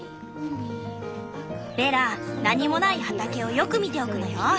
ベラ何もない畑をよく見ておくのよ。